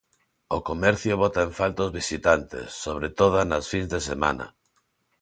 O comercio bota en falta os visitantes, sobre toda nas fins de semana.